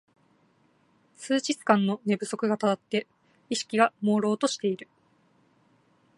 数日間の寝不足がたたって意識がもうろうとしている